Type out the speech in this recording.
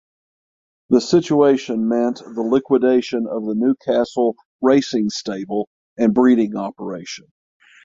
The situation meant the liquidation of the Newcastle racing stable and breeding operation.